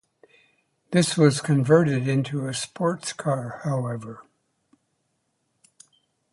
This was converted into a sports car, however.